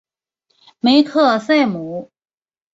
梅克赛姆。